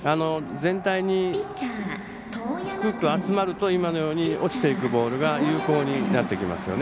全体に低く集まると今のように落ちていくボールが有効になってきますよね。